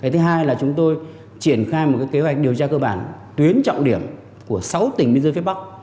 thứ hai là chúng tôi triển khai một kế hoạch điều tra cơ bản tuyến trọng điểm của sáu tỉnh biên giới phía bắc